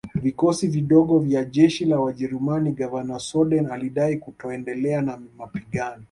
vikosi vidogo vya jeshi la wajerumani Gavana Soden alidai kutoendelea na mapigano